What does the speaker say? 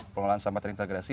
pengelolaan sampah terintegrasi